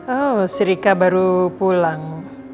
oh si rika baru pulang